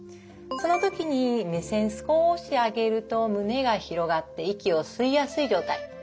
その時に目線少し上げると胸が広がって息を吸いやすい状態。